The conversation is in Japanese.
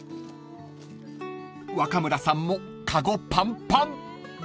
［若村さんもカゴパンパン］